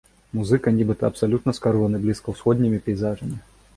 Музыка нібыта абсалютна скароны блізкаўсходнімі пейзажамі.